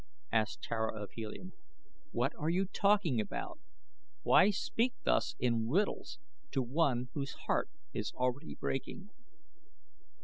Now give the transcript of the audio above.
asked Tara of Helium. "What are you talking about why speak thus in riddles to one whose heart is already breaking?"